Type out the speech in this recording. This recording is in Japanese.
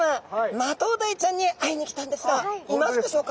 マトウダイちゃんに会いに来たんですがいますでしょうか？